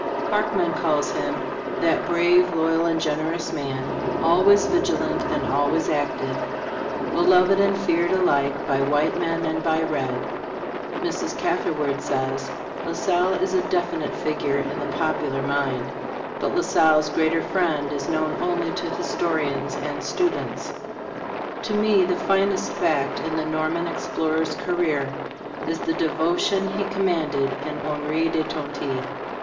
Parkman calls him, " That brave, loyal and generous man, always vig ilant and always active, beloved and feared alike by white man and by red." Mrs. Catherwood* says : "La Salle is a definite figure in the popular mind But La Salle's greater friend is known only to historians and students. To me the finest fact in the Norman explorer's career is the devotion he com manded in Henri de Tonty.